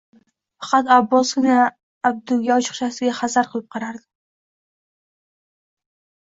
Faqat Abbosgina Abduga ochiqchasiga hazar qilib qarardi